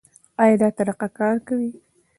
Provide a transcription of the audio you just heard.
ایا دا طریقه کار کوي؟